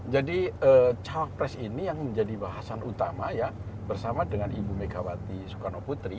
jadi calon pres ini yang menjadi bahasan utama bersama dengan ibu megawati soekarno putri